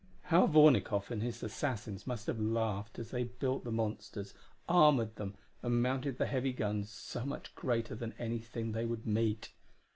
How Vornikoff and his assassins must have laughed as they built the monsters, armored them, and mounted the heavy guns so much greater than anything they would meet!